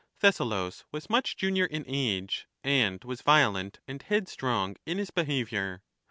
Thessalus was much junior in age, and was violent and headstrong in his behaviour.